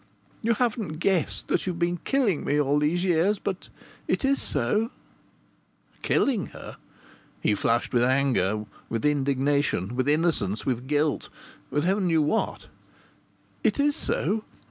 You haven't guessed that you've been killing me all these years; but it is so " Killing her! He flushed with anger, with indignation, with innocence, with guilt with Heaven knew what! " it is so.